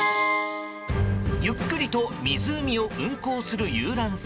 ゆっくりと湖を運航する遊覧船。